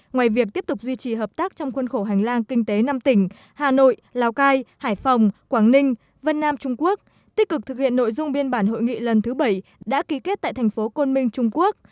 ngoài việc tiếp tục duy trì hợp tác trong khuôn khổ hành lang kinh tế năm tỉnh hà nội lào cai hải phòng quảng ninh vân nam trung quốc tích cực thực hiện nội dung biên bản hội nghị lần thứ bảy đã ký kết tại thành phố côn minh trung quốc